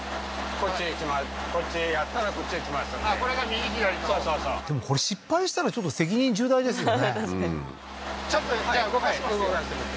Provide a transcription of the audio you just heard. こっちへやったらこっちへ来ますのでこれが右左のそうそうそうでもこれ失敗したらちょっと責任重大ですよね